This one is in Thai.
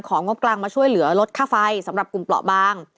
งบกลางมาช่วยเหลือลดค่าไฟสำหรับกลุ่มเปราะบาง